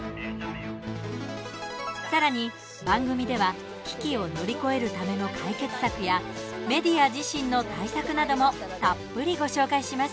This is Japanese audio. さらに、番組では危機を乗り越えるための解決策やメディア自身の対策などもたっぷりご紹介します。